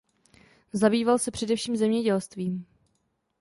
Zabýval se především zemědělstvím.